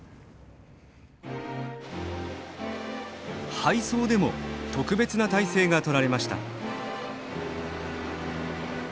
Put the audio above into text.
配送でも特別な態勢がとられました。